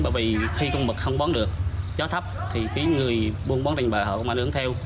bởi vì khi cung mực không bón được gió thấp thì người buôn bón thanh bà họ cũng ánh hưởng theo